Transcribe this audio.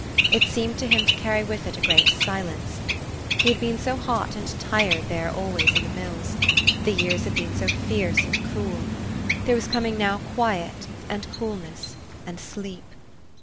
It seemed to him to carry with it a great silence. He had been so hot and tired there always in the mills! The years had been so fierce and cruel! There was coming now quiet and coolness and sleep.